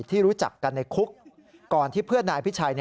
รู้จักกันในคุกก่อนที่เพื่อนนายพิชัย